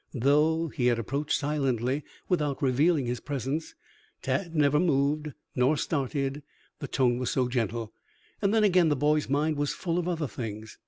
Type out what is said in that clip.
Though he had approached silently, without revealing his presence, Tad never moved nor started, the tone was so gentle, and then again the boy's mind was full of other things.